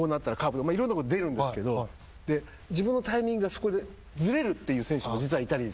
いろんなこと出るんですけど自分のタイミングがそこでずれるっていう選手もいたりする。